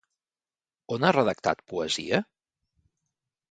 On ha redactat poesia?